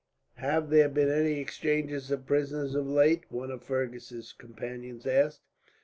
"Have there been any exchanges of prisoners, of late?" one of Fergus's companions asked.